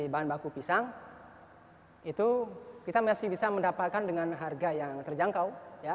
bahan baku pisang itu kita masih bisa mendapatkan dengan harga yang terjangkau